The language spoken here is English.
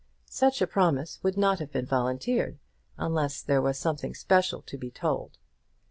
Such a promise would not have been volunteered unless there was something special to be told.